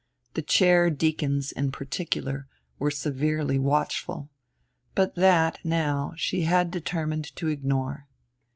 The chairdeacons in particular were severely watchful; but that, now, she had determined to ignore.